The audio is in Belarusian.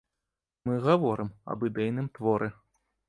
Мы гаворым аб ідэйным творы.